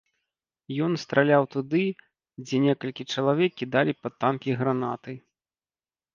Ён страляў туды, дзе некалькі чалавек кідалі пад танкі гранаты.